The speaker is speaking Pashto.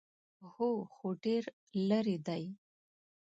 _هو، خو ډېر ليرې دی.